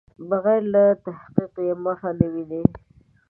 بغیر له تحقیق یې مخه نه ویني.